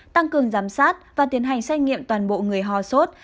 tăng cường giám sát và tiến hành xét nghiệm toàn bộ người hò sốt